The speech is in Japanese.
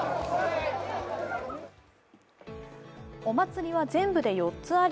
お祭りは全部で４つあり